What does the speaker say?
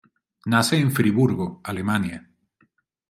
Nace en Friburgo, Alemania.